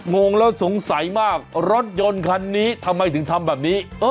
งงแล้วสงสัยมากรถยนต์คันนี้ทำไมถึงทำแบบนี้